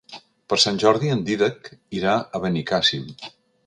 Per Sant Jordi en Dídac irà a Benicàssim.